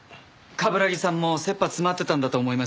冠城さんも切羽詰まってたんだと思います。